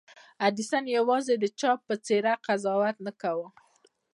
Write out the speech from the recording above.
ايډېسن يوازې د چا په څېره قضاوت نه کاوه.